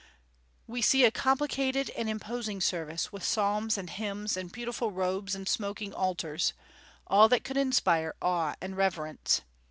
We see a complicated and imposing service, with psalms and hymns, and beautiful robes, and smoking altars, all that could inspire awe and reverence.